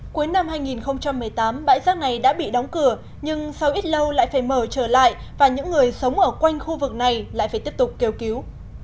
cuối năm hai nghìn một mươi tám bãi rác này đã bị đóng cửa nhưng sau ít lâu lại phải mở trở lại và những người sống ở quanh khu vực này lại phải tiếp tục kêu cứu